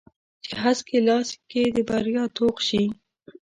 چې هسک یې لاس کې د بریا توغ شي